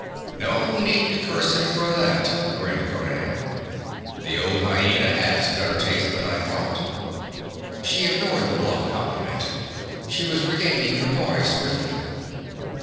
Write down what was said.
'No need to curse him for that,' grinned Conan. 'The old hyena has better taste than I thought.' She ignored the bluff compliment. She was regaining her poise swiftly.